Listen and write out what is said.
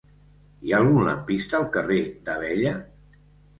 Hi ha algun lampista al carrer d'Abella?